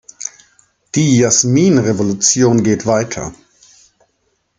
Die "Jasminrevolution" geht weiter.